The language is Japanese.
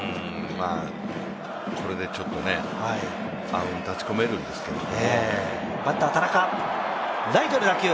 これでちょっと暗雲立ちこめるんですけどね。